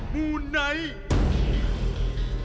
มูไนท์